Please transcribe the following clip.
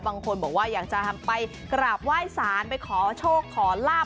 บางคนบอกว่าอยากจะไปกราบไหว้สารไปขอโชคขอลาบ